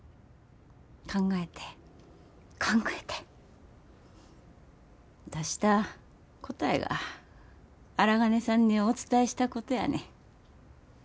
考えて考えて出した答えが荒金さんにお伝えしたことやねん。